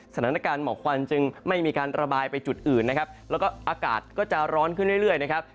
สถานการณ์หมอกควันจึงไม่มีการระบายไปจุดอื่นนะครับแล้วก็อากาศก็จะร้อนขึ้นเรื่อยนะครับ